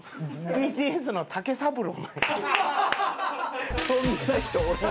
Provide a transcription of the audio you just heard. ＢＴＳに竹三郎。